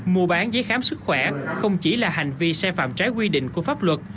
mua bán giấy khám sức khỏe không chỉ là hành vi sai phạm trái quy định của pháp luật